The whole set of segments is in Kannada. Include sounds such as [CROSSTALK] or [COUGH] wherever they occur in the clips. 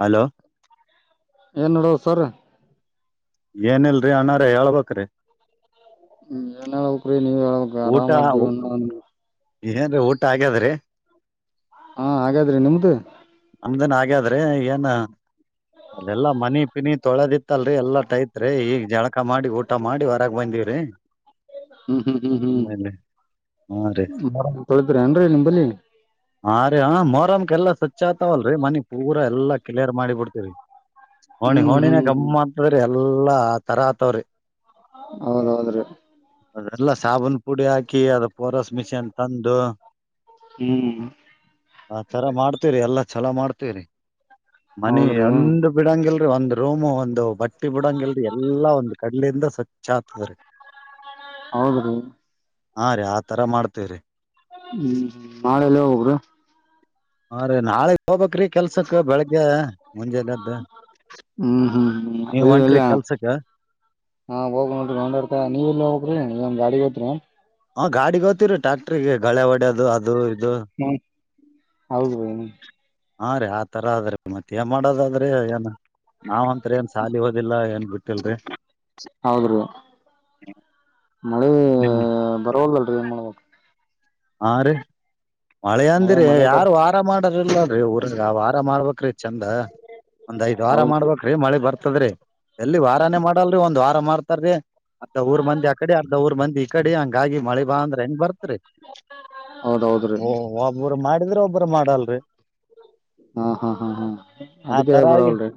ಹಲೋ ಏನು ನೋಡೋ ಸರ್ ಏನಲ್ರಿ ಅನಾರ ಹೇಳ್ಬೇಕಕ್್ರಿ ಹ್ಮ್ ಏನೋಗ್ರ ನೀ ಹೇಳ ಆರಾಮ್ದ ಒ ಏನ್ೀ ಊಟ ಆಗ್ಯಾದ್ರಿ ಹಾ ಹಾಗಾದ್ರಿ ನಿಮ್ದು ನಮ್ದನ್ ಹಾಗಗ್ಯಾದ್ರಿ ಏನ ಅೆಲ್ಲಾ ಮನಿ ಪಿನಿ ತೊಳೆದಿತ್ತಲ್ರಿ ಎಲ್ಲಾ ಟೈತ್ರಿ ಈಗ್ ಜಳಕ ಮಾಡಿ ಊಟ ಮಾಡಿ ಹೊರಗ್ ಬಂದೀವ್ರಿ ಹ್ಮ್ ಹ್ಮ್ ಹ್ಮ್ ಹಾ ರೀ ಹ್ಮ್ ಮರ ತೊಳಿದ್ರ ಏನ್ರರಿ ನಿಮಂಬಲ್ಲಿಿ ಎಲ್ಲ ಸ ಹೆಚ್ಚಾತವಲ್ರಿ ಮನಿ ಪೂರ ಎಲ್ಲಾ ಕ್ಲಿಯರ್ ಮಾಡಿ ಬಿಡ್ತರಿ ಹ್ಮ್ ಹೋಣಿ ಹೋಣಿನ ಹ್ಮ್ ಹ್ಮ್ ಗಮ್ಮ ಅಂತದ್ರ ಎಲ್ಲಾ ತರಾ ಆತವ್ರಿ ಹೌದೌದ್ರಿ ಅದೆಲ್ಲ ಸಾಬುನ್ ಪುಡಿ ಹಾಕಿ ಕ ಅ [UNINTELLIGIBLE] ಪೊರಸ್ ಮಿಷನ್ ತಂದು ಹ್ಮ್ ಆ ತರ ಮಾಡ್ತ [UNINTELLIGIBLE] ಹೇರಿ ಎಲ್ಲಾ ಚಲ ಮಾಡ್ತೇವರಿ ಮನಿ ಹೌದ್ರಿ ಒಂಡ ಬಿಡಂಗಗೆಲ್ಲ [UNINTELLIGIBLE] ಒಂದು ರೂಮ್ ಒಂದು ಬಟ್ಟೆ ಹಟ್ಟಿ ಬಿಡಂಗಗೆಲ್ರಿ ಎಲ್ಲಾ ಒಂದು ಕಡಲಿಂದ ಸ [UNINTELLIGIBLE] ಚಾತದ ರೀ ಹೌದ್ರೀ ಹಾ ರೀ ಆತರ ಮಾಡ್ತೇವ್ರೀ ಹ್ಮ್ ನಾಳೆಲ್ಲ ಹೋಗಬ್ರ [UNINTELLIGIBLE] ಹಾ ರೀ ನಾಳಗ್ ಹೋಗಬಕ್ [UNINTELLIGIBLE] ಕೆಲ್ಸಕ್ ಬೆಳಿಗ್ಗೆ ಹ್ಮ್ ಹ್ಮ್ ಹ್ಮ್ ನೀವ್ ಇ ಹೊಂಟ್ರಿ ಎಲ್ಲ ಕೆಲ್ಸಕ್ಕ ಹಾ ಹೋಗ ನೋಡ್ರಿ ನೊಂಡಾಡ್ತಾ ನೀವೆಲ್ಲ ಹೋಗ್ರಿ ನೀ ಗಾಡಿಗೆ ಹತ್ರಿ ಹಾ ಗಾಡಿ ಹದ್ತಿವ್ರರಿ ಟ್ಯಾಕ್ಟ್ರಿಗೆ ಗಳೆ ಹೊಡದು ಅದು ಇದು ಹ್ಮ ಹೌದ್ರೀ ಹಾ ರೀ ಆತರ ಅದ್ರೀ ಮತ್ತ ಏನ್ ಮಾಡೋದದ್ರಿ ಏನ್ ನಾವ್ ಅಂಂತರಿ ಏನ್ ಸಾಲ ಓದಿಲ್ಲ ಏನ್ ಬಿಟ್ಟಿಲ್ರಿ ಹೌದ್ರೀ ಮಳೆ ನಿಮ್ ಬರಲ್ಲಲ್ರಿ ಏನ್ ಮಾಡಬೇಕ ಹಾ ರೀ ಮಳೆ ಅಂದಿರ ಮಳೆ ಬರ್ ಯಾರು ವಾರ ಮಾಡ [UNINTELLIGIBLE] ಲ್ಲ ಊರ್ ವಾರ್ಬೇಕ್ರೀ ಚಂದ ಒಂದ್ ಐದ ವಾರ ಹೌದ್ ಮಾಡ್ಬೇಕ್ರ ಮಳೆ ಬರ್ತ ಚಂದ್ರೆ [UNINTELLIGIBLE] ಎಲ್ಲಿ ವಾರಾನೇ ಮಾಡಲ್ರಿ ಒಂದ್ ವಾರ ಮಾಡ್ತಾರೀ ಅರ್ಧ ಊರ್ ಮಂದಿ ಆ ಕಡೆ ಅರ್ಧ ಊರ್ ಮಂದಿ ಈ ಕಡೆ ಅಂಗ ಹಾಗಾಗಿ ಮಳೆ ಬಾ ಅಂದ್ರೆ ಹೆಂಗ್ ಬರ್ತ್ರಿ ಹೌದೌದ್ರಿ ಓ ಹಬರ ಮಾಡ ಮಾಡಿದ್ರೆ ಒಬ್ಬ್ರರು ಮಾಡಲ್ರಿ ಹಾ ಹಾ ಹಾ ಹಾ ಅದಕ್ಕೆ ಬರಲ್ರಿ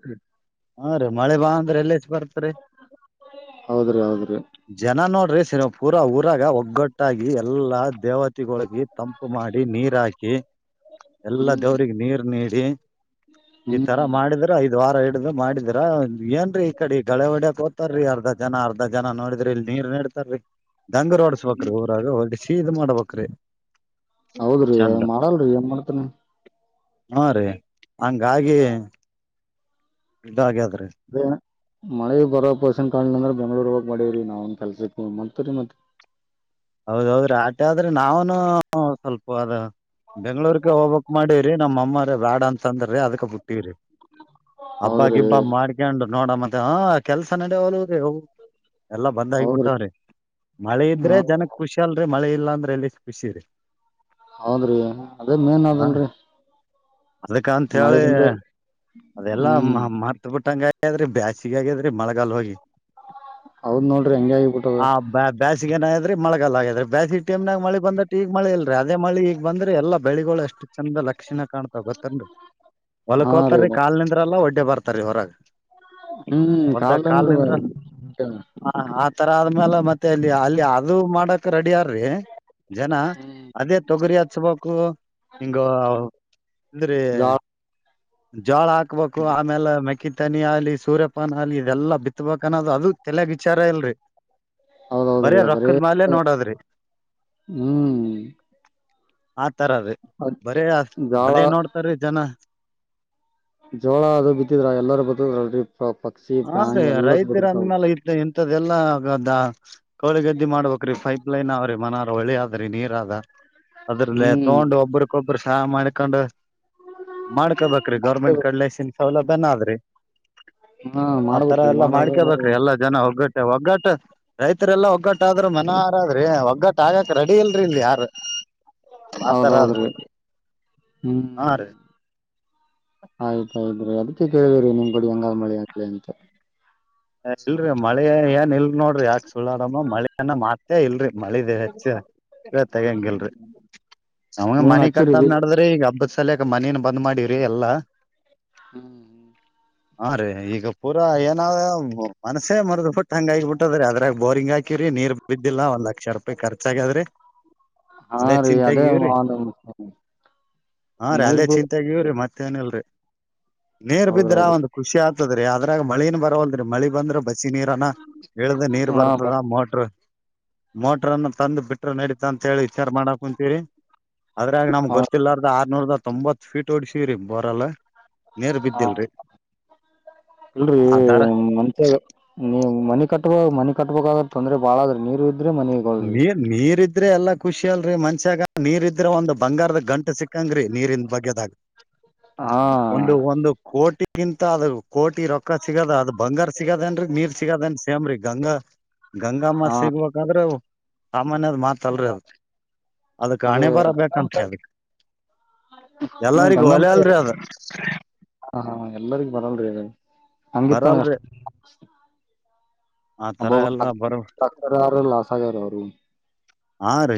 ಹಾನ [UNINTELLIGIBLE] ಮಳೆ ಬಾ ಅಂದ್ರೆ ಎಲ್ಲೇ ಬರ್ತರಿ ಹೌದ್ರಿ ಹೌದ್ರಿ ಜನ ನೋಡ್ [UNINTELLIGIBLE] [UNINTELLIGIBLE] ಸಿನ ಪೂರಾ ಊರಾಗ ಒಗ್ಗಟ್ಟಾಗಿ ಎಲ್ಲಾ ದೇವತೆ ಗೊಳಗ ತಂಪು ಮಾಡಿ ನೀರ್ ಹಾಕಿ ಎಲ್ಲಾ ಹ್ಮ್ ದೇವ್ರಿಗೆ ನೀರ್ ನೀ ಹ ಈ ತರ ಹ್ಮ್ ಮಾಡಿದ್ರೆ ಐದ ವಾರ ಮಾಡಿದರ ಏನ್ರೀ ಈ ಕಡೆ ಗಳೆ ಹೊಡಾಕ ತಾರೀ ಅರ್ಧ ಜನ ಅರ್ಧ ಜನ ನೋಡಿದ್ರಿ ಇಲ್ ನೀರ್ ನಡ್ತಾರೀ ಢಂಗರು ಓಡಸ್ಬೇಕ್ರೀ ಊರಾಗ ಹೊಡಿಸಿ ಇದ ಮಾಡ್ಬೇಕು ಅಕ್ರೆ ಹೌದ್ರಿ ಮಾಡಲ್ರೀ ಏನ್ ಮಾಡ್ತನ ಹ್ಮ ರೀ ಹಂಗಾಗಿ ಇದು ಆಗ್ಯಾದ ಅದಣ ಮಳೆ ಬರೋ ಪೋರ್ಷನ್ ಕಾಣ್ಲಿಲ್ಲ ಅಂದ್ರ ಬೆಂಗ್ಳೂರ್ ಹೋಗ್ ಮಾಡೇವ್ರೀ ನಾವನ್ ಕೆಲ್ಸಕ್ ಮತ್ ರೀ ಮತ್ತ ಹೌದೌದ್ರೀ ಆಟ ಆದ್ರೆ ನಾವನು ಸ್ವಲ್ಪ ಅದ ಬೆಂಗ್ಗಳೂರ್ಗೆ ಹೋಗ್ಬೇಕು ಮಾಡೇವ್ರೀ ನಮ್ಮ ಅಮ್ಮ ಬ್ಯಾಡ ಅಂತ್ ತಂದ್ರಿ ಅದಕ ಬುಟ್ಟವ್ರಿ ಹಬ್ಬ ಹೌದ್ರಿ ಗಿಬ್ಬ ಮಾಡ್ಕೊಂಡು ನೋಡಮಾ ಆ ಕೆಲ್ಸ ನಡಿವಲ್ವರೀ ಅವು ಎಲ್ಲಾ ಬಂದ್ ಹೌದ್ರಿ ಆಗಬಿಟ್ಟವ್ರಿ ಮಳೆ ಹ ಇದ್ರೆ ಜನಕ್ ಮಳೆ ಇಲ್ಲಾಂದ್ರೆ ಎಲ್ಲಿ ಖುಷಿ ರಿ ಹೌದ್ರಿ ಅದೇ ಮೇನ್ ಅದಲ್ರಿ ಅದಕ್ಕ ಅಂತ ಮಳೆ ಹೇಳಿ ಬಂದ್ರೆ ಅದೆಲ್ಲಾ ಹ್ಮ್ ಮರ್ತ್ ಬಿಟ್ಟಂಗ ದ್ರಿ ಬ್ಯಾಸಗ ಆಗಾದ್ರಿ ಮಳಗಾಲ್ ಹೋಗಿ ಹೌದ್ ನೋಡ್ರಿ ಹೆಂಗ ಆಗಬಿಟ್ಟದ ಸಿಗನ್ ಆದ್ರೆ ಮಳೆಗಾಲ ಆಗೇದೆ ಬ್ಯಾಸ್ಗಿ ಟೈಮ್ನಾಗ ಮಳಿ ಬಂದಟ್ಟ ಈಗ ಮಳೆ ಇಲ್ರಿ ಅದೇ ಮಳಿ ಈಗ ಬಂದ್ರ ಎಲ್ಲ ಬೆಳಿಗೋಳ ಅಷ್ಟು ಚಂದ ಲಕ್ಷಣ ಕಾಣ್ತ ಗೊತ್ತನ್ರಿ ಹೊಲ್ಕ್ ಹಾ ರೀ ಹೋತಾರೀ ಕಾಲ್ ನಿಂದ್ರಲ್ಲ ಒಡ್ ಬರತಾರೀ ಹೊರಗ ಹ್ಮ್ ಹೊಲ್ದ ಕಾಲ್ ಕಲ್ಂದು ನಿಂದ್ರ ಆ ತರ ಆದ್ಮೇಲೆ ಮತ್ತೆ ಅಲ್ಲಿ ಅಲ್ಲಿ ಅದು ಮಾಡಕ್ ರೆಡಿ ಆ ರೀ ಜನ ಅದೇ ತೊಗರಿ ಹಚ್ಬೇಕು ಹಿಂಗ ಅಂದ್ರೀ ಜಾಳ ಜಳ ಹಾಕ್ಬೇಕು ಆಮೇಲೆ ಮೆಕ್ಕಿ ತನಿ ಆಾಲಲಿ ಸೂರ್ಯಪಾನ ಆಲಿ ಇದೆಲ್ಲಾ ಬಿತ್ಬಕ್ ಅನ್ನೋದು ಅದು ತಲೆಗ್ ವಿಚಾರ ಇಲ್ರರಿ ಬರ ಹೌದೌದ್ರಿ ರ ಬರೀ ಅದ ಮಲೆ ನೋಡದ್ರಿ ಹ್ಮ್ ಹ ತಾರೀ ಬರ ಜಾಳ ಅದೇ ನೋಡ್ತಾರೀ ಜನ ಜೋಳ ಅದು ಬಿತ್ತಿದ್ರ ಎಲ್ಲಾರೂ ಬತದ್ರಲ್ರಿ ಪಕ್ಷಿ ಪ್ರಾಣಿ ಎಲ್ಲ ಬದುತಾವ ಇದೆ ಎಲ್ಲ ಕೋಳಿಿಗೆದ್ದ ಮಾಡ್ಬೇಕ್ರೀ ಪೈಪ್ ಲೈನ್ ಅವ್ರಿ ಮನವ್ರ ಒಳಿ ಆದದ್ರೀ ನೀರ್ ಅದ ಅದ್ರಲ್ಲೇ ಹ್ಮ್ ತಗೊಂಡು ಒಬ್ಬ್ರಕೊಬ್ಬರು ಸಹಾ ಮಾಡಿ ಕಂಡ ಮಾಡ್ಕೋಬೇಕ್ರೀ ಗೌರ್ಮೆಂಟ್ ಕಡ್ಲೆಸನ್ ಸೌಲಭ ಬನ್ನಾದ್ರಿ ಹಾ ಆತರ ಮಾಡ್ಬೇಕ್ರಿ ಎಲ್ಲಾ ಮಾಡ್ಕೇಬೇಕ್ರೀ ಮಾಡದ ಎಲ್ಲಾ ಜನ ಒಗ್ಗಟ್ಟ ಒಗ್ಗಟ್ಟ ರೈತರೆಲ್ಲಾ ಒಗ್ಗಟ್ಟ ಟ್ಟ ಆದ್ರ ಮನ ಆಾರಾದ್ರಿ ಒಗ್ಗಟ್ಟ ಆಗಕ್ ರೆಡಿ ಇಲ್ರಿ ಇಲ್ಲಿ ಯಾರ ಆತರ ಆದ್ರಿ ಹೌದೌದ್ರಿ ಹಾ ರೀ ಹ್ಮ್ ಆಯ್ತಾಯ್ತ್್ರಿ ಅದು ಅ ಕೇಳಿದಿ್ರರಿ ನೀ್ ಕೊಡಿ ಅಂಗಾ ಮಳಿ ಎನಿತ ಇಲ್ರಿ ಮಳೆ ಏನ್ ಇಲ್ರಿ ನೋಡ್ರಿ ಯಾಕ ಸುಳ್ಳಾರಾಮ ಮಳೇನ ಮಾಡ್ತ ಇಲ್ರಿ ಮಳಿದೆ ಹೆಚ್ಚ ಹ್ಮ್ ತೆಗಂಗಲ್ರಿ ಅವಂಗ ನೀವನ್ ಮನೆಿ ಹಚ್ಚಿರಿ ಕಟ್ಟದ್ ಬೀಜ ನಡದ್ರಿ ಈಗ ಹಬ್ಬ ಸಲಯಕ ಮನೇನ್ ಬಂದ್ ಮಾಡಿವ್ರಿ ಎಲ್ಲ ಹ್ಮ್ ಹ್ಮ್ ಹಾ ರೀ ಈಗ ಪೂರಾ ಏನಾವ ಹ್ಮ ಮನಸ ಮರದ್ ಬಿಟ್ಟ ಹಂಗಗಿಬ ಬಿಟ್ಟದ್ರ ಅದ್ರಾಗ ಬೋರಿಂಗ್ ಹಾಕಿವವ್ರಿ ನೀರ್ ಬಿದ್ದಿಲ್ಲ ಒಂದ್ ಲಕ್ಷ ರೂಪಾಯಿ ರ್ಚಾಗಗಾದ್ರರಿ ಹಾ ಅದೇ ರೀ ಚಿಂತಾಗ ಇವ್ರಿ ಹಾ ರೀ ನೀರ್ ಅದೇ ಬಿ ಚಿಂತಾಗ ಇವ್ರರಿ ಮತ್ತ ನ ಇಲ್ರರಿ ನೀರ್ ಹೌದ್ರೌದ್ರಿ ಬಿದ್ರಾಂದಂದು ಖುಷಿ ಆಗ್ತದ ೀ ಅದ್ರಾಗ ಮಳಿನನ್ ಬರೋ ಅಂದರಿ ಮಳಿ ಬಂದ್ರ ಬ ಹಸಿ ನೀರನ್ನ ಎಳ್ದ ನೀರ್ ಹಾ ಬರ್ತದ ಮೋಟ್ರ ಮೋಟ್ರನ್ನು ತಂದು ಬಿಟ್ಟ್ರ ನಡೀತಾ ಅಂತ ಹೇಳಿ ವಿಚಾರ ಮಾಡಾ ಕುಂತೀರಿ ಅದ್ರೆ ನಮ್ ಹಾ ಗೊತ್ತಿಲ್ಲಾರದ್ದ ಆರ್ನೂರ್ದ ತೊಂಬತ್ ಫೀಟ್ ಓಡ್ಸೀರೀ ಬೋರಲ್ಲ ನೀರ್ ಹಾ ಬಿದ್ದಿಲ್ರಿ ಎಲ್ರೂ ಆತರ ನೀವು ಮನಿ ಕಟ್ಬ ಮನಿ ಕಟ್ಬೇಕಾಗೆ ಅಂದ್ರೆ ಬಳಾದ್ರೆ ನೀರು ಇದ್ರೆ ಮನಿಗೊಳ್ರಿ ನೀ ನೀರಿದ್ದ ಇದ್ರೆ ಎಲ್ಲಾ ಖುಷಿ ಅಲ್ರಿ ಮನ್ಷ್ಯಾಗ ನೀರ್ ಇದ್ರೆ ಒಂದ್ ಬಂಗಾರದ ಗಂಟು ಸಿಕ್ಕಂಗ್ರೀ ನೀರಿಂದ ಬಗ್ಗೆದಾಗ ಹಾ ಒಂದು ಒಂದು ಕೋಟಿ ಈಗಿಂತ ಅದ ಕೋಟಿ ರೊಕ್ಕ ಸಿಗದ ಅದ ಬಂಗಾರ ಸಿಗದೇನ್ರಿ ನೀರ್ ಸಿಗದೇನ್ರಿ ಸೇಮ್ರಿ ಗಂಗಾ ಹಾ ಗಂಗಾಮತ್ ಸಿಗ್ಬೇಕಾದ್ರೆವು ಸಾಮಾನ್ಯ ಅದ ಮಾತಲ್ರಿ ಅದ ಅದ ಅದು ಹಣೆ ಬರಹ ಬೇಕಬಂತರಿ ಅದ ಎಲ್ಲರಿಗ ಲೆ ಗಂಗಮ್ಮ ಅಲ್ರಿ ಅದ ಎಲ್ಲರಿಗ ಬರೋನ್ ರೀ ಬರಲ್ರಿ ಹಂಗಿತ್ತಷ್ಟಬ ಆ ತರ ಎಲ್ಲಾ ಬರ ಯಾರ ಲಸಗ್ಯಾರ ಅವರು ಹ ರ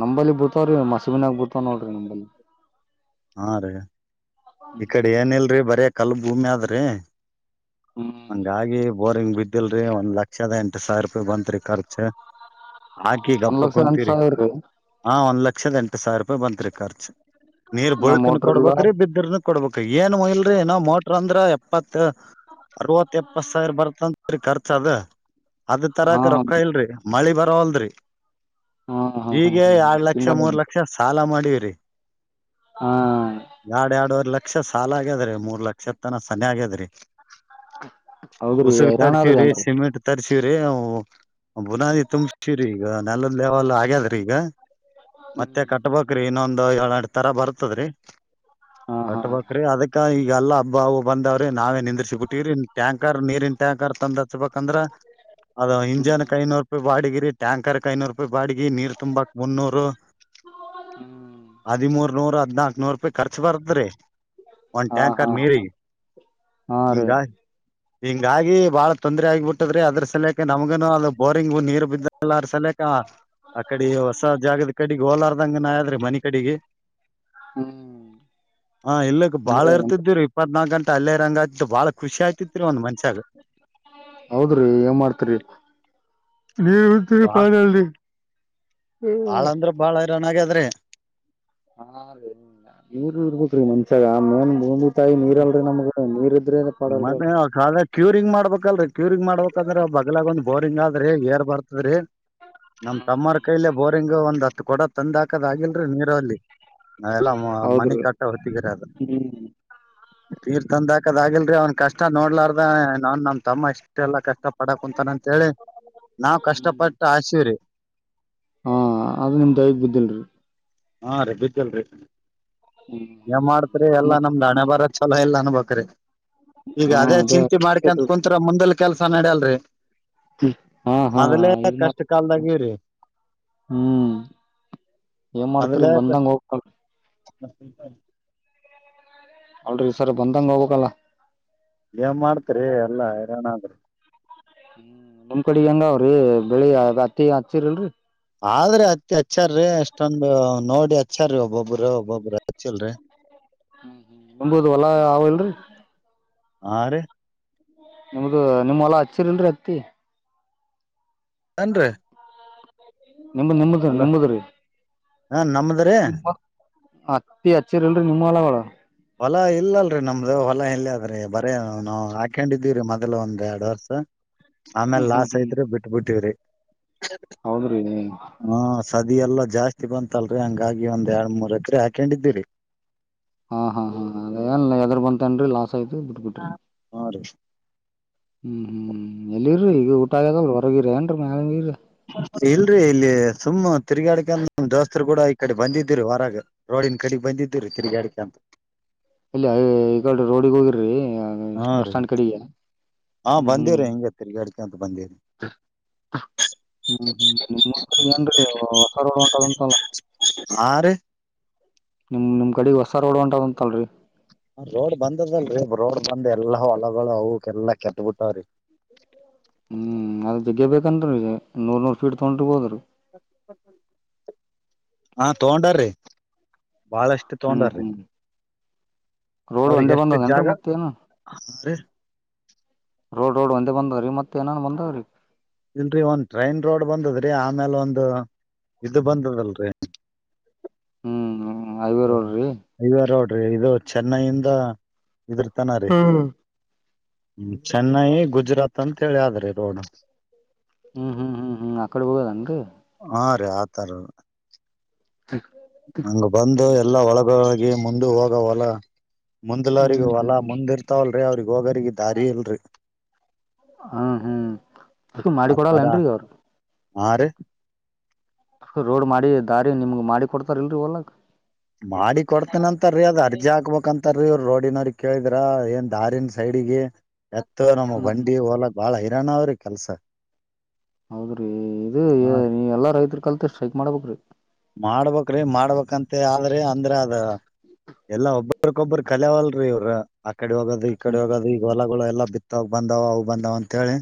ನಂಬಲ್ಲಿ ಬೂತವ್ರಿ ಮಸಮಿನಾಗ ಬೂತವ ನೋಡ್ರಿ ನಂಬಲ್ಲಿ ಹಾ ರೀ ಈ ಕಡೆ ಏನಲ್ರಿ ಬರಿ ಕಲ್ ಭೂಮಿ ಆದ್ರಿ ಹ್ಮ್ ಹಂಗಾಗಿ ಬೋರಿಂಗ್ ಬಿದ್ದಿಲ್ರಿ ಒಂದ್ ಲಕ್ಷದ ಎಂಟು ಸಾವಿರ ರೂಪಾಯಿ ಬಂತತ್ರಿ ಖರ್ಚ ಹಾಕಿ ಒಂದ್ ಗಪ್ಪ ಲಕ್ಷ ಎಂಟ ಕುಂತೀರಿ ಸಾವಿರ್ರೀ ಹಾ ಒಂದ್ ಲಕ್ಷ ಲಕ್ಷದ ಎಂಟು ಸಾವಿರ ರೂಪಾಯಿ ಬಂತ ರೀ ಖರ್ಚು ನೀರ್ ಇನ್ನ ಬುಳ್ಕನ್ ಮೋಟ್ರ ಇಲ್ಲ ಕೊಡ್ಬೇಕ್ರಿ ಬಿದರ್ನ್ ಕೊಡ್ಬೇಕ ಏನ್ಯಲ್ರರಿ ನಾವ ಮೋಟ್ರ ಅಂದ್ರ ಎಪ್ಪತ್ ಅರವತ್ತು ಎಪ್ಪತ್ ಸಾವಿರ ಬರ್ತತ್ರಿ ಖರ್ಚ ಅದ ಅದ್ ಹಾ ತರಕ್ ರೊಕ್ಕ ಇಲ್ರಿ ಮಳಿ ಬರ ಲ್ದ್ರಿ ಹಾ ಹಾ ಹಾ ಹಾ ಈಗ ಎರಡ್ ಲಕ್ಷ ಹಿಂಗ ಮೂರ್ ಲಕ್ಷ ಸಾಲ ಮಾಡಿ ಬೇರಿ ಹಾ ಎರಡ ಎರಡುವರಿಲ್ಲ ಲಕ್ಷ ಸಾಲ ಆಗ್ಯದ್ರಿ ಮೂರ್ ಲಕ್ಷದ ತನ ಸನಿ ಆಗ್ಯದ್ರಿ ಹೌದ್ರಿ ಹೈರಾಣ ಲೀ ಅಂದ್ರ ವ ಬುನಾದಿ ತುಂಗ್ ಶರಿ [UNINTELLIGIBLE] ನಲ್ಲಿಲ್ಲಿ [UNINTELLIGIBLE] ಇದು ಮತ್ತೆ ಕಟ್ಬೋಕ್ರಿ ಇನ್ನೊಂನ್ ಎರಡೆರಡು ತರ ಬರ್ತದ್ರೀ ಹಾ ಹಾ ಕಟ್ಬಕ್ರಿ ಅದಕ್ಕ ಇ ಯಲ್ಲ ಹಬ್ಬವು ಬಂದವ್ರಿ ನಾವೇ ನಿಂದುರ್ಸಿ ಬುಟವಿ ಟ್ಟೀರಿನ್ ಟ್ಯಾಂಕರ್ ನೀರಿನ್ ಟ್ಯಾಂಕರ್ ತಂದು ಹಚ್ಬಬೇಕಂದ್ರ ಅದಾ ಹ್ಮ್ ಹಿಂಜಾನ ಕೈ ನೂರ್ ರೂಪಾಯ್ ಬಾಡ್ಗೆ ಇರು ಟ್ಯಾಂಕರುಕ ಐನೂರುಪಾಯ್ ಬಾಡಿಗೆ ನೀರ್ ತುಂಬಾಕ್ ಮುನ್ನೂರು ಹ್ಮ್ ಹದಿಮೂರ್ ನೂರು ಹದ್ನಾಕ್ ನೂರ್ ಖರ್ಚ ಬರತ್ ರೀ ಒಂದ್ ಹಾ ಹಾ ಟ್ಯಾಂಕರ್ ನೀರಿಗೆ ಹಾ ರೀ ಹಿಂಗಾರ್ ಹಿಂಗಾಗಿ ಬಾಳ ತೊಂದ್ರೆ ಆಗಿಬಿಟ್ಟದ್ರಿ ಅದ್ರು ಸಾಲೆಗಾ ನಮ್ಗನು ಅದು ಬೋರಿಂಗು ನೀರು ಬಿದ್ದಲ್ಲರ ಸಲೇಕಾ ಆ ಕಡೆ ಹೊಸ ಜಾಗದ್ ಕಡಿಗ್ ಹೋಲಾರ್ದಂಗನಾದ್ರಿ ಮನಿ ಕಡಿಗೆ ಹ್ಮ್ ಹಾ ಇಲ್ಲಕ್ಕ ಬಾಳ ಇರ್ತಿದ್ದೀರಿ ಇಪ್ಪತ್ನಾಕ್ ಗಂಟ್ ತಲ್ಲೆ ರಂಗ ತ್ತು ಬಾಳ ಖುಷಿ ಆಯ್ತಿತ್ರಿ ಒಂದ್ ಮನ್ಷ್ಯಾಗ ಹೌದ್ರಿ ಏನ್ ಮಾಡ್ತರಿ ನೀರ್ ಬಾ [UNINTELLIGIBLE] ದ್ರೆ ಹಾ [UNINTELLIGIBLE] ಇವ್ರು ಇರ್ಬೇಕ್ರಿ ಮಸ್ಯಗ ತಂದೆ ತಾಯಿ ನೀರಲ್ರಿ ನಮ್ಗ ನೀರ್ ಇದ್ರೆ ಮತ್ತೆ [UNINTELLIGIBLE] ಕಾಲ ಕ್ಯೂರಿಂಗ್ ಮಾಡ್ಬೇಕಲ್ರಿ ಕ್ಯೂರಿಂಗ್ ಮಾಡ್ಬೇಕಂದ್ರೆ ಬಗ್ಲಾಗ ಒಂದ್ ಬೋರಿಂಗ್ ಆದ್ರಿ ಏರ್ ಬರ್ತದ್ರಿ ನಮ್ ತಮ್ಮರ ಕೈಲೆ ಬೋರ್ ಹಿಂಗ ಒಂದ್ ಹತ್ತು ಕೊಡ ತಂದ್ ಹಾಕದ್ ಆಗಿಲ್ರಿ ನೀರ ಅಲ್ಲಿ ನಾವೆಲ್ಲ ಮಾ ಮನೆ ಹೌದ್ರಿ ಕಟ್ಟ ಹೊತ್ತಿಗೆ [UNINTELLIGIBLE] ಹ್ಮ್ ನೀರ್ ತಂದಾಕದ್ ಆಗಿಲ್ರಿ ಅವ್ನ್ ಕಷ್ಟ ನೋಡ್ಲಾರ್ದ ನಾನ್ ನಮ್ ತಮ್ಮ ಇಷ್ಟೆಲ್ಲ ಕಷ್ಟ ಪಡ ಕುಂತಾನಂತ್ ಹೇಳಿ ನಾವ್ ಹ್ಮ್ ಕಷ್ಟಪಟ್ಟು ಹಾಕ್ಸಿವ್ರಿ ಹಾ ಅದು ನಿಮ್ ದಯಗ್ ಬಿದ್ದಿಲ್ರಿ ಹಾ ರೀ ಬಿದ್ದಿಲ್ರಿ ಹ್ಮ್ ಏನ್ ಮಾಡ್ತ್ರಿ ಎಲ್ಲಾ ಮತ್ ನಮ್ದ್ ಹಣೆ ಬರ ಚಲೋ ಇಲ್ಲ ನಂಬಕ್ ರೀ ಈಗ ಹಾ ಅದೇ ಅದ ಚಿಂತೆ ಮಾಡ್ಕಂತ್ ಕುಂತ್ರೆ ಮುಂದಲ್ ಕೆಲ್ಸ ನಡ್ಯಲ್ರಿ ಹಾ ಹಾ ಮೊದಲೇ ಇದು ಕಷ್ಟ ಮಾತ್ರ ಕಾಲ್ದಾಗಿವ್ರಿ ಹ್ಮ್ ಏನ್ ಮಾಡ್ತರಿ ಬಂದಂಗ ಹೋಗಬೇಕಲ್ರಿ ಸೀಕ [INAUDIBLE] ಅಲ್ಲ ರಿ ಸರ್ ಬಂದಂಗ ಹೋಗಬೇಕಲ್ಲ. ಏನ್ ಮಾಡ್ತರಿ ಎಲ್ಲ ಹೈರಾಣದ್. ನಮ್ ಕಡೆ ಹೆಂಗ ಅವ್ರಿ ಬೆಳಿ ಅದ ಹತ್ತಿ ಹಾಕ್ತಿರಅಲ್ರೀ. ಆದ್ರ ಅತ್ತಿ ಹಚ್ಚಾರ್ರೀ ಅಷ್ಟೊಂದು ನೋಡಿ ಹಚ್ಚಾರ್ರೀ ಒಬ್ಬೊಬ್ಬ್ರ ಒಬ್ಬೊಬ್ಬ್ರ ಹಚ್ಚಿಲ್ರಿ. ಹ್ಮ್ ಹ್ಮ್ ನಂಬುದು ಹೊಲಾ ಅವಲ್ರರಿ [INAUDIBLE] ಆ ರೀ. ನಿಮ್ದ ನಿಮ್ಮ್ ಹೊಲಾ ಹಚ್ಚಿರಿಲ್ರರಿ ಹತ್ತಿ. ಅನ್ರಿ. ನಿಮ್ಮ ನಿಮ್ಮದ್ರೀ ನಿಮ್ಮದ್ರೀ. ಹ ನಮ್ದ್ರಿ ಹತ್ತಿ ಅಚ್ಚಿರಿಲ್ರಿ ನಿಮ್ಮ ಹೊಲಗೋಳ. ಹೊಲ ಇಲ್ಲಲ್ರರಿ ನಮ್ದು ಹೊಲ ಎಲ್ಲಿ ಆದ್ರಿ ಬರೇ ಅವನೌನ್ ಹಾಕೊಂಡಿದ್ದಿವ್ರರಿ ಮೊದ್ಲು ಒಂದ್ ಎರಡ್ ವರ್ಷ. ಹ್ಮ್ ಆಮೇಲ್ ಹ್ಮ್ ಲಾಸ್ ಹ್ಮ್ ಆಯಿತ ರಿ ಬಿಟ್ ಬಿಟ್ಟಿವ್ರಿ. ಹೌದ್ರಿ ನಿಮ್ಮ. ಸದ್ಯ ಎಲ್ಲಾ ಜಾಸ್ತಿ ಬಂತಲ್ರಿ ಹಂಗಾಗಿ ಒಂದ್ ಎರಡ್ ಮೂರ್ ಎಕ್ರ ಹಾಕೊಂಡಿದರಿ. ಹಾ ಹಾ ಹಾ ಅದೇ ಎದರ್ ಬಂತೇನ ರಿ ಲಾಸ್. ಸಾಯಿತ ಬಿಟ್ಟಬಿಟ್ರಿ. ಹಾ ರೀ ಹ್ಮ್ ಹ್ಮ್ ಹ್ಮ್ ಎಲ್ಲಿರ ಈಗ ಊಟ ಆಗದ ಒಟ್ಟ. ಗೀರ ನು ಮೇಲೆಗೆೀರಿ [INAUDIBLE] ಇಲ್ರರಿ ಇಲ್ಲಿ ಸುಮ್ಮ್ ತಿರಗಡಕಂತ ದೋಸ್ತರು ಕೂಡ ಈ ಕಡೆ ಬಂದಿದ್ದಿರಿ ಹೊರಗ ರೋಡಿನ ಕಡೆ ಬಂದಿದ್ದೀರಿ ತಿರಗಡಕಂತ ಅಂತ. ಇಲ್ಲ ಅ ಇಕಡೆ ರೋಡಿಗೆ ಹೋಗಿರ್ರಿ. ಹಾ ಬಸ್ ರೀ ಸಟ್ಯಾಂಡ್ ಕಡೆಗೆ ಹಾ ಹ್ಮ್ ಹ್ಮ್ ಬಂದಿವ್ರಿ ಹಿಂಗ ತಿರ್ಗಾಡ್ಕಂತ ಬಂದಿವ್ರಿ ಹ್ಮ್ ಹ್ಮ್ ನಿಮ್ಮ ಊರ ಕಡೆ ಎನ್ ಹೊಸ ರೋಡ್ ಹೊಂಟದಲ್ಲ. ಹಾ ರೀ ನಿಮ್ಮ ನಿಮ್ಮ ಕಡೆ ಹೊಸ ರೋಡ್ ಹೊಂಟದಲ್ರೀ. ರೋಡ್ ಬಂದದಲ್ರರಿ ರೋಡ್ ಬಂದ್ ಎಲ್ಲಾ ಹೊಳಗೊಳ ಅವು ಎಲ್ಲಾ ಕೆಟ್ಟಬಿಟ್ಟಾವ್ರಿ. ಹ್ಮ್ ಅದ್ರ ಜಗ್ಗೆ ಬೇಕನ್ರಿ ನೂರ್ ನೂರ್ ಫೀಟ್ ತೊಗೊಂಡೆರಬಹುದು. ಹಾ ತಗೊಂಡಾರ ರೀ. ಬಾಳಷ್ಟು ಹ್ಮ್ ತೊಂಡಾರ್ರಿ ಹ್ಮ್ ರೋಡ್ ಒಂದೇ ಅವರಿಗೆಷ್ಟ ಬಂದದೇನ್ರಿ ಜಾಗ. ಮತ್ತೇನ ರೋಡ್ ರೋಡ್ ಒಂದೇ ಬಂದಾದ್ರಿ ಮತ್ತತ್ ಏನನ್ ಬಂದವ್ರೀ. ಇಲ್ರರಿ ಒಂದ್ ಟ್ರೈನ್ ರೋಡ್ ಬಂದದ್ರಿ ಆಮೇಲ್ ಒಂದು ಇದ ಬಂದದಲ್ರರಿ. ಹ್ಮ್ ಹ್ಮ್ಮ್. ಹ ಹೈವೇ ರೋಡ್. ಇದು ಚೆನ್ನೈಯಿಂದ. ಇದರತನ ರೀ. ಹ್ಮ್ ಚೆನ್ನೈ ಗುಜರಾತ್ ಅಂತ ಹೇಳಿ ಆದ್ರಿ ರೋಡ್. ಹ್ಮ್ ಹ್ಮ್ ಹ್ಮ್ ಹ್ಮ್ ಅಕ್ಕಡೆ ಹೋಗಿದೆ ಏನ್ರಿ. ೆ ಆತರ [UNINTELLIGIBLE] [INAUDIBLE] ಹಂಗ ಬಂದು ಎಲ್ಲಾ ಹೊಲಗೋಳಿಗಿ. ಮುಂದ ಹೋದ ಹೊಲ. ಮುಂದಲ ಅವ್ರಗ ಹ್ಮ್ ಹ್ಮ್ ಹೊಲ ಮುಂದ್ ಇರ್ತಾವಲ್ರೀ ಅವ್ರಿಗೆ ಹೋಗರಿಗೆ ದಾರಿ ಇಲ್ರಿ ಹ್ಮ ಹ್ಮ್ ಅ ಮಾಡಿ ಆತರ ಕೊಡಲ್ಲನ್ರಿೀ ಈಗ ಅವರು ಹಾ ರ ರೋಡ್ ಮಾಡಿ ದಾರಿ ನಿಮ್ ಮಾಡಿ ಕೊಡ್ತಾರ ಇಲ್ರರಿ ಹೊಲಕ ಮಾಡಿ ಕೊಡ್ತನಂತರೀ ಅದ ಅರ್ಜಿ ಹಾಕ್ಬೇಕಕ್ಂತ ರಿ ಇವರು ರೋಡಿನವ್ರ ಕೇಳಿದ್ರ ಏನ್ ದಾರನ್ ಸೈಡಗೆ ಎತ್ತು ನಮ್ಮ್ ಹ್ಮ್ ಬಂಡಿ ಹೋಲಕ್ ಬಾಳ ಎರಣಾವರ ಕೆಲಸ ಹೌದ್ರಿ ಇದು ನೀ ಎಲ್ಲಾ ರೈತರ ಕಲ್ತ್ ಸ್ಟ್ರೈಕ್ ಮಾಡ್ಬೇಕ ರೀ ಮಾಡ್ಬ್ರಿ ಮಾಡ್ಬೇಕಂತ ಆದ್ರಿ ಅಂದ್ರ ಅದ ಎಲ್ಲಾ ಒಬ್ರಕೊಬ್ಬ್ರ ಕರೆವಲರ್ ರೀ ಇವರು ಈ ಕಡೆ ಹೋಗೋದು ಈ ಕಡೆ ಹ್ಮ್ ಹೋಗೋದು ಈಗ ಹೊಲಗಳು ಎಲ್ಲ ಬಿತ್ತದ ತಾಗ ಬಂದಾವ ಅವು ಬಂದಾವ ಅಂತ ಹೇಳಿ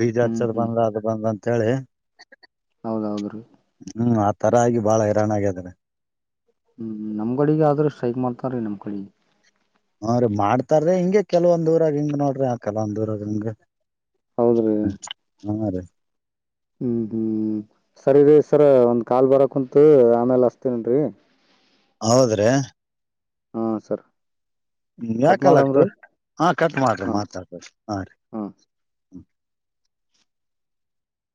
ಬೀಜ ಹಚ್ಚದ ಬಂದ ಅದು ಬಂದಂತ ಕಾಳೆ ಹೌದೌಹೌದು ರೀ ತರಗಿ ಬಾಳ ಹೈರಾಣಾಗಿದ್ದಾರೆ ಹ್ಮ್ ನಮ್ ಕಡೆಗೆ ಆದ್ರೂ ಸ್ಟ್ರೈಕ್ ಮಾಡ್ತಾರೀ ನಮ್ ಕಡೆಗೆ ಹ ರೀ ಮಾಡ್ತಾರೀ ಹಿಂಗೆ ಕೆಲವಂದ್ ಊರಾಗ ಹಿಂಗ್ ನೋಡ್ರಿ ಆ ಕೆಲವಂದ್ ಊರಾಗ ಹಿಂಗ್ ಹೌದ್ರಿ ಹ ಹಾ ರೀ ಹ್ಮ್ ಹ್ಮ್ ಸರಿ ರೀ ಸರ್ ಒಂದ್ ಕಾಲ್ ಬರಕ್ ಕುಂತ ಆಮೇಲ್ ಹಸ್ತನರಿ. ಹೌದ್ರೆ ಹಾ ಸರ್ ಹ್ಮ ಕಟ್ ಯಾಕಲ್ಲಗ್ತ ಮಾಡಮ್ರಿ ಹಾ ಕಟ್ ಮಾಡ್ರಿ ಹಾ ಮಾತಾಡ್ಬರಿ ಹಾ ರೀ